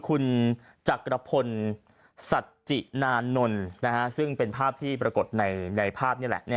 คุณจักรพลสัจจินานนท์ซึ่งเป็นภาพที่ปรากฏในภาพนี่แหละ